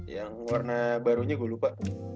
yang warna barunya gue lupa